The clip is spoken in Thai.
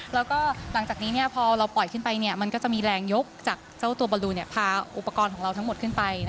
แล้วก็หลังจากนี้พอเราปล่อยขึ้นไปมันก็จะมีแรงยกจากเจ้าตัวบอลลูพาอุปกรณ์ของเราทั้งหมดขึ้นไป